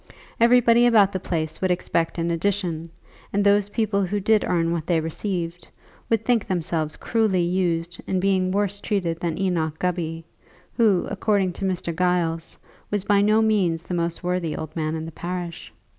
Everybody about the place would expect an addition, and those people who did earn what they received, would think themselves cruelly used in being worse treated than Enoch Gubby, who, according to Mr. Giles, was by no means the most worthy old man in the parish.